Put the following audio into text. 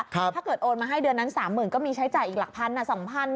ถ้าเกิดโอนมาให้เดือนนั้น๓๐๐๐ก็มีใช้จ่ายอีกหลักพันนะ